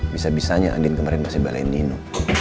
bisa bisanya andien kemarin masih balain nino